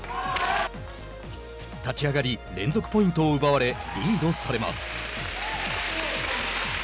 立ち上がり連続ポイントを奪われリードされます。